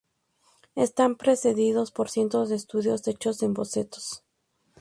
Están precedidos por cientos de estudios hechos en bocetos".